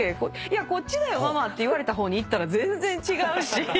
「こっちだよママ」って言われた方に行ったら全然違うし。